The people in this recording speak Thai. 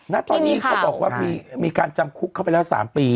ณตอนนี้เขาบอกว่ามีการจำคุกเข้าไปแล้ว๓ปี